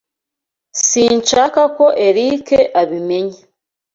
Sinshaka ko Eric abimenya.